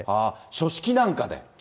書式なんかで？